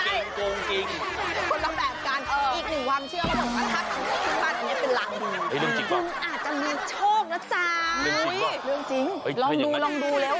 เรื่องจริงลองดูเร็ว